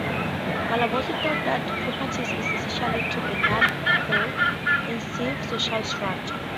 Galambos taught that property is essential to a non-coercive social structure.